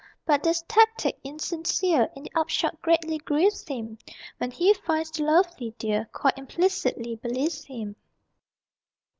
But this tactic insincere In the upshot greatly grieves him When he finds the lovely dear Quite implicitly believes him.